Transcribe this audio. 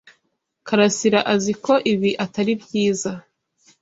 Karasira azi ko ibi atari byiza.